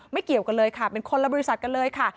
เกี่ยวกันเลยค่ะเป็นคนละบริษัทกันเลยค่ะ